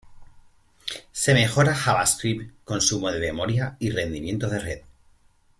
Se mejora javascript, consumo de memoria y rendimiento de red.